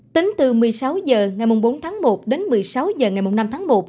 tính từ một mươi sáu h ngày bốn tháng một đến một mươi sáu h ngày năm tháng một